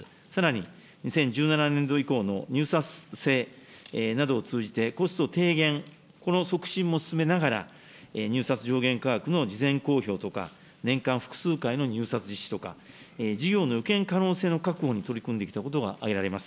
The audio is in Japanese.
さらに、２０１７年度以降の入札制などを通じて、コスト低減、この促進も進めながら、入札上限価格の事前公表とか、年間複数回の入札実施とか、事業の予見可能性の確保に取り組んできたことが挙げられます。